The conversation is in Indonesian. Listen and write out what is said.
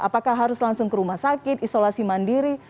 apakah harus langsung ke rumah sakit isolasi mandiri